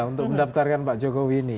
untuk mendaftarkan pak jokowi ini